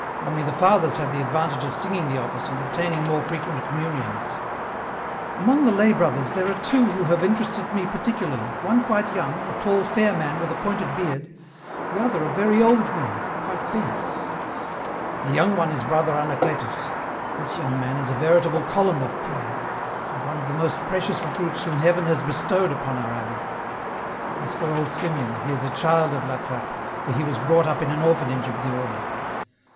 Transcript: Only, the fathers hava the advantage of singing the office and obtaining more frequent communions.'* " Among the lay brothers there are two who have interested me particularly, one quite young, a tall fair man with a pointed beard, the other a very old man, quite bent ?"" The young one is Brother Anacletus ; this young man is a veritable column of prayer, and one of the most precious recruits whom Heaven has bestowed upon our abbey. As for old Simeon, he is a child of La Trappe, for he was brought up in an orphanage of the order.